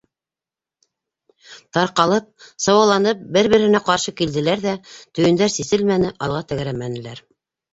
Тарҡалып, сыуаланып, бер-береһенә ҡаршы килделәр ҙә, төйөндәр сиселмәне, алға тәгәрәмәнеләр.